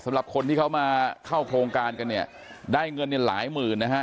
สำหรับคนที่เขามาเข้าโครงการกันเนี่ยได้เงินเนี่ยหลายหมื่นนะฮะ